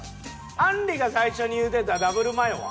あんりが最初に言うてたＷマヨは？